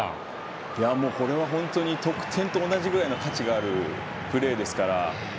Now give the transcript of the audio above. これは本当に得点と同じくらいの価値があるプレーですから。